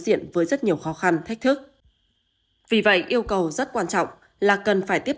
diện với rất nhiều khó khăn thách thức vì vậy yêu cầu rất quan trọng là cần phải tiếp